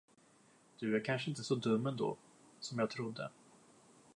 Du är kanske inte så dum ändå, som jag trodde.